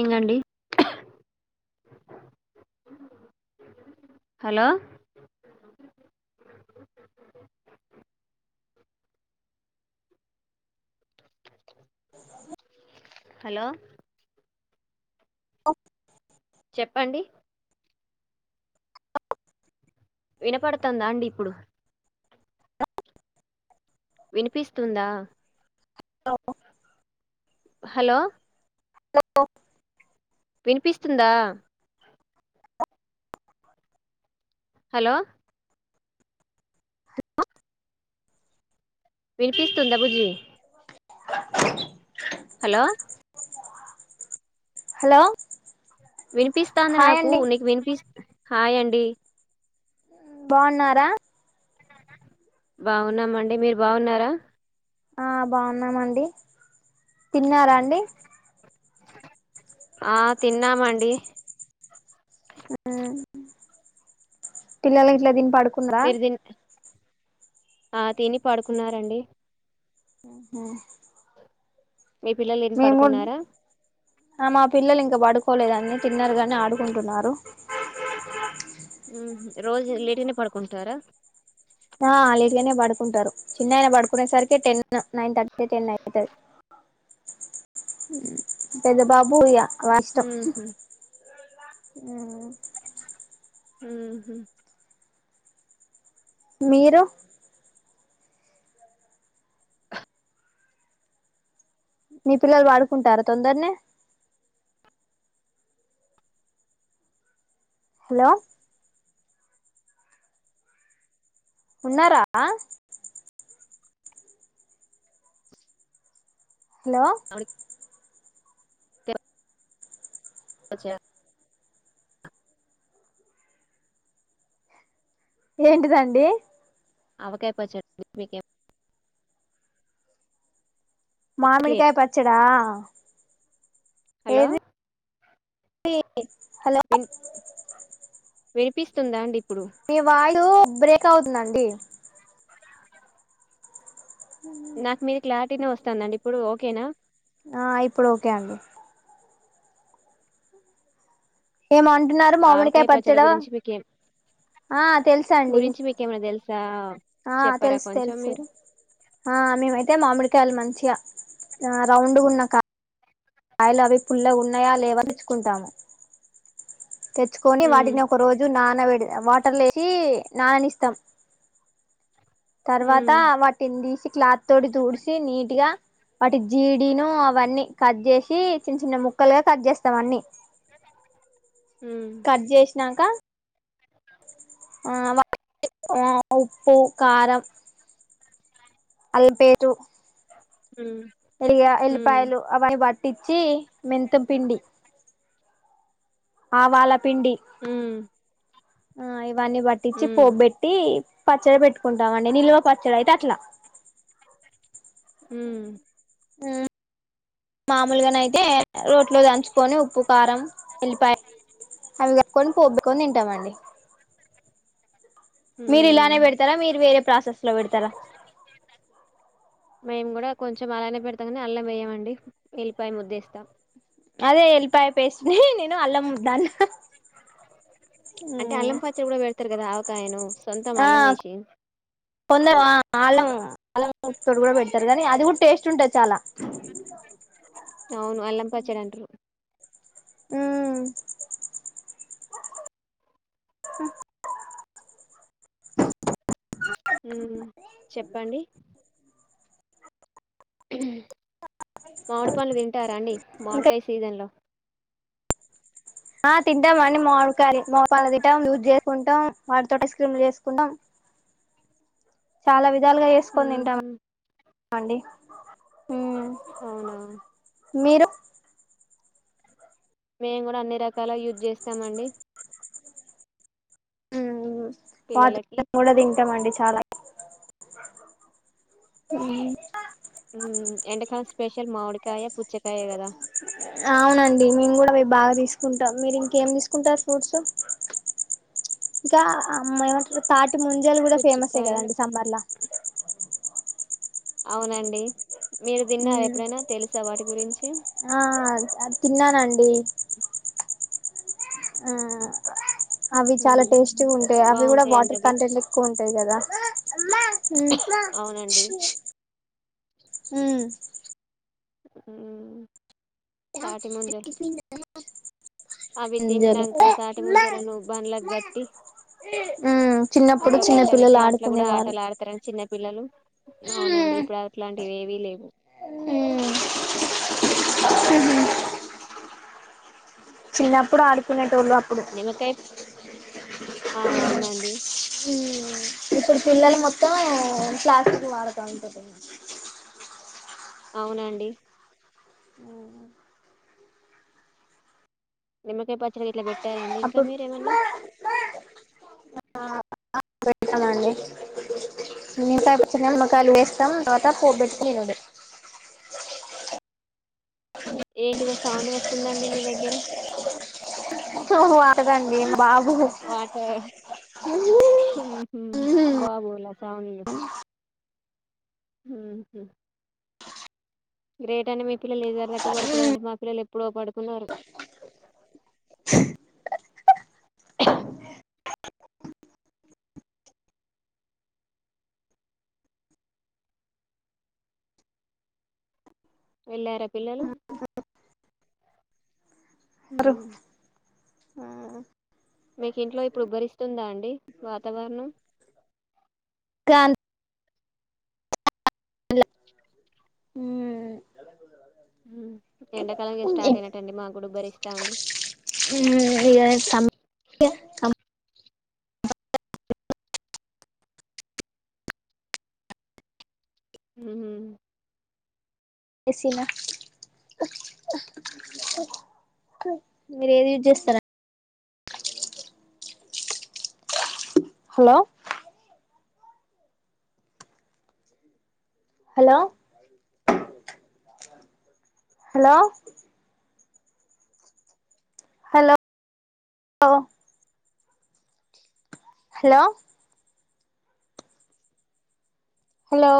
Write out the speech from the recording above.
ఈ గండి hello hello ఆఫ చెప్పండి వినపడుతుందా అండి ఇప్పుడు వినిపిస్తుందా హలో హలో హలో వినిపిస్తుందా హలో వినిపిస్తుందా భుజీ హలో హలో వినిపిస్తాంది హాయ్ నాకు అండి నీకు వినిపిస్ హాయండి. బాగున్నారా? బాగున్నామండి, మీరు బాగున్నారా? ఆ బాగున్నామండి. తిన్నారా అండి? ఆ తిన్నామండి. ఉమ్, పిల్లలు గిట్ల తిని పాడుక్ మీరు తిన్ ఆ తిని పడుకున్నారండి. హ్మ్ మీ పిల్లలు తిని మేము గుడ్ పడుకున్నారా ఆ మా పిల్లలు ఇంక పడుకోలేదు అండి తిన్నరు గనీ ఆడుకుంటున్నారు. మ్మ్. రోజు లేట్ గనె పడుకుంటారా? ఆ లేట్గానే పడుకుంటరు చిన్నయనా పడుకునే సరికి టెన్ నైన్ థర్టీ టెన్ అయితది పెద్ద బాబు ఇగ వాని ఇష్టం. మ్మ్. ఉమ్ ఉ హు మీరు? మీ పిల్లలు పడుకుంటారా తొందర్నే? హలో ఉన్నారా? హలో ఆవకాయ అచ్చా ఏంటిదండి? అవకాపయవచ్చడి, మీకేమన్ ఓకే. మామిడికాయ ప చ్చడా హలో ఏది [inaudible] హలో విన్ వినిపిస్తుందా అండి? ఇప్పుడు మీ వాయు బ్రేక్ అవుతుందండి. నాకు మీది క్లార్ ట్టినే వస్తాన్దండి ఇప్పుడు ఓకేనా? ఆ ఇప్పుడు ఓకే అండి. ఏమో అంట్ ఆవకాయ పచ్చడి గురించి మీకేం, ఆ తెలుస అండి గురించి మీకేమనా తెలుసా? ఆ చెప్పారా తెలుసు కొంచెం తెలుసు మీరు ఆ మేమయితే మామిలు కాయలు మంచిగా రౌండ్ ఉన్న కాయ్ కాయలు అవి పుల్ల ఉన్నాయా లేవ అని తెచ్చుకుంటాము తెచ్చుకొని ఉమ్ వాటిని ఒక రోజు నాన పెట్టి వాటర్లుఎసి నాననిస్తాం తర్వాత ఉమ్ వాటిని తీసి క్లాత్ తోటి తుడిసి నీట్గా వాటి జీడీను అవన్నీ కట్ చేసి చిన్న చిన్న ముక్కలుగా కట్ చేస్తాం అన్ని అ కర్జేసి నాక ఆ వా ఉప్పు కారం అల్లం పేస్టు ఉమ్ ఎల్లిగ ఎల్లిపాయలు అవన్నీ పట్ ఇచ్చి మెంతం పిండి ఆ వాల పి పిండి ఉమ్ ఉమ్ ఈ ఇవన్నీ పట్టించి ఉమ్ పోపు బెట్టి పచ్చడి పెట్టుకుంటామండి నిల్వ పచ్చడి అయితే అట్లా మ్మ్ మ్మ్ మామూలుగాన అయితే రో ట్లో దంచుకొని ఉప్పు కారం వెళిపాయ్ అవి కప్పుకొని పొబ్బుకొని తింటామండి మీరు ఉమ్ ఇలానే పెడతారా మీరు వేరే ప్రాసెస్ లో పెడతారా మేము కూడా కొంచెం అలానే పెడతాని అల్లం వేయమండి ఎళ్లిపాయ ముద్దేస్తాం అదే ఎల్పాయ పేస్ట్ నీ నేను అల్ల ముద్ద అన్న అంటే అల్లం పచ్చడి కూడా పెడతారు కదా ఆవకాయను సొంతం ఆ అల్లం వేసి కొందరు ఆ ఆళ్లం ఆళ్లం తడు కూడా పెడతారు కానీ అది కూడా టేస్ట్ ఉంటది చాలా అవును అల్లంపచ్చాడంటురు మ్మ్ మ్మ్ చెప్పండి ఇ [unintelligible] [inaudible] మామిడి పండ్లు తింటారాండి ఇంకా మామిడికాయ సీజన్ లో ఆ తింటాం అండి మామిడికాయ మోకాలు తింటాం లూజ్ చేసుకుంటాం వాటితోట స్ క్రీమ్లు చేసుకుంటాం చాలా వి దాలుగా ఏసుకని తింటాం ఉహు అండి మ్మ్ అవునా మీరు మేము కూడా అన్ని రకాల యూజ్ చేస్తామండి పాత పిల్లలకి [unintelligible] కూడా తింటామండి చాలా మ్మ్ మ్మ్ ఎండకాలం స్పెషల్ మామిడి కాయ పూచ్చకాయ కదా ఆ అవునండి మేము కూడా అవి బాగా తీసుకుంటాం. మీరు ఇంకేం తీసుకుంటారు ఫ్రూట్స్ ఇంకా అమ్ ఏమంటారు థాట్ ట్ ముంజల్ కూడా ఫేమస్యే పుచ్చకాయలు కదండి సమ్మర్లా అవునండి మీరు తిన్నరా ఎప్పుడైనా తెలుసా వాటి గురించి ఆ తిన్నానండి ఆ అవి చాలా ఉమ్, టేస్టీగా ఉంటాయి. అవి కూడా బాగుంటాయండి వాటర్ అవి కంటెంట్ ఎక్కువ ఉంటాయి కదా. అవునండి మ్మ్ మ్ మ్మ్ మ్మ్ అవి ముంజలు తిన్నాక తాటి ముంజలను బండ్లక్ గట్టి ఉమ్ చిన్నప్పుడు చిన్న అందోకట్ట పిల్లలు పెట్టి అట్లా కూడా ఆడుకునేవారు ఆటలు ఆడతారండి. చిన్న పిల్లలు అవునండి ఇప్పుడు అట్లాంటి ఇవేవీ లేవు చిన్నప్పుడు ఆడుకునేట్ ఓల్ అప్పుడు నిమ్మకాయ ఆ హ్మ్ అవునండి హ్మ్ ఇప్పుడు పిల్లలు మొత్తం ప్లాస్టిక్ వాడతా ఉంటరు అవునండి ఆ నిమకాయ్ ప [unintelligible] ఎట్లా పెట్టారండి ఇంకా అప్పుడు మీరేమన్నా పెడతామండి నిమ్మకాయ పచ్చడి లో నిమ్మకాయలు వేస్తాం తర్వాత పోపుబెట్టి తినుడు ఏంటిదో సౌండ్ వస్తుందండి మీ దగ్గర సో వాటరండి వాటర్ ఊహూ బాబు బోలు సౌండు ఊహూ గ్రేట్ అండి మీ పిల్లలు [unintelligible] దాకా పడుకోలేదండి మా పిల్లలు ఎప్పుడో పడుకున్నారు. వెళ్ళారా పిల్లలు హ్మ్ ఆ మీకి ఇంట్లో ఇప్పుడు ఉబ్బరిస్తుందా అండి వాతావరణం కాన్ అ ఎండాకాలం స్టార్ట్ అయినట్టండి మాకు గుడుబ్బరిస్తాంది హ సిన మీరు ఏది యూజ్ చేస్తారా హలో హలో హలో హలో లో హలో హలో